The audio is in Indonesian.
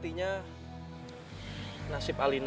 di sini yang names wichtiger ini